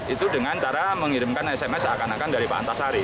itu dengan cara mengirimkan sms seakan akan dari pak antasari